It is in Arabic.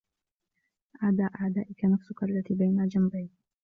أَعْدَى أَعْدَائِك نَفْسُك الَّتِي بَيْنَ جَنْبَيْك